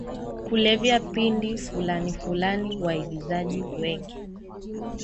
kulevya pindi fulanifulani Waigizaji wengi